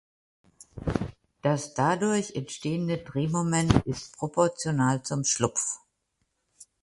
Das dadurch entstehende Drehmoment ist proportional zum Schlupf.